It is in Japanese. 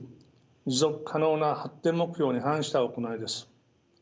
持続可能な発展目標に反した行いです。